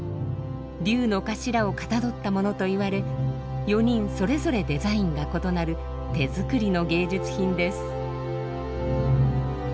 龍の頭をかたどったものと言われ４人それぞれデザインが異なる手作りの芸術品です。